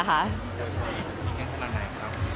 เจอคนที่สนิกกันขนาดไหนครับ